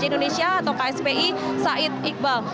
indonesia atau kspi said iqbal